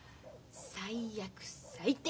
最悪最低。